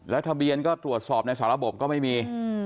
ทะเบียนก็ตรวจสอบในสารบก็ไม่มี